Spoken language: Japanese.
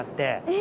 え！